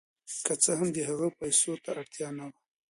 که څه هم د هغه پیسو ته یې اړتیا نه وه.